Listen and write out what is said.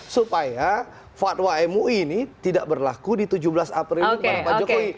supaya fatwa mui ini tidak berlaku di tujuh belas april ini